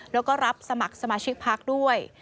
แล้วก็รับสมัครสมาชิกพักด้วย